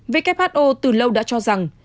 who từ lâu đã cho rằng